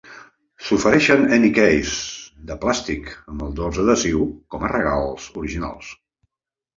S'ofereixen "Any Keys" de plàstic amb el dors adhesiu com a regals originals.